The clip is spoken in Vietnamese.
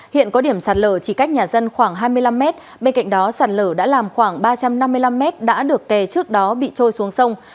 hiện có điểm sạt lờ chỉ cách nhà dân khoảng hai mươi năm m bên cạnh đó sạt lờ đã làm khoảng ba trăm năm mươi năm m đã được kè trước đó bị trôi xuống sông